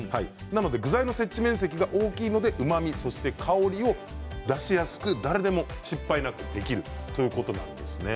具材の接地面積が大きいのでうまみや香りを出しやすく誰でも失敗なくできるということなんですね。